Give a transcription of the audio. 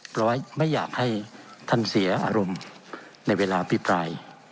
เพราะไม่อยากให้ท่านเสียอารมณ์ในเวลาพิปราย